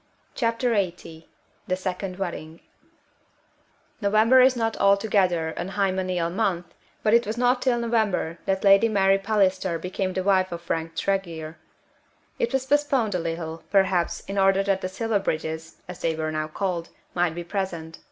CHAPTER LXXX The Second Wedding November is not altogether an hymeneal month, but it was not till November that Lady Mary Palliser became the wife of Frank Tregear. It was postponed a little, perhaps, in order that the Silverbridges, as they were now called, might be present.